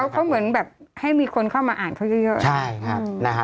เขาเหมือนแบบให้มีคนเข้ามาอ่านเขาเยอะ